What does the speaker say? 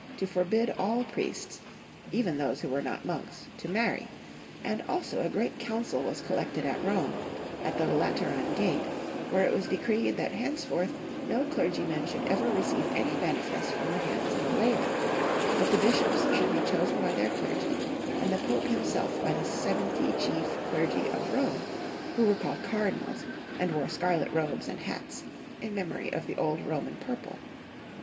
to forbid all priests, even those who were not monks, to marry ; and Heinrich IV. 107 also a great council was collected at Rome, at the Lateran Gate, where it was decreed that henceforth no clergyman should ever receive any benefice from the hands of a layman, but the bishops should be chosen by their clergy, and the Pope himself by the seventy chief clergy of Rome, who were called cardinals, and wore scarlet robes and hats, in mem ory of the old Roman purple.